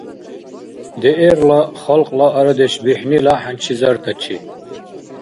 ДР-ла халкьла арадеш бихӏнила хӏянчизартачи